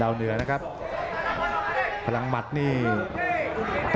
อัศวินาศาสตร์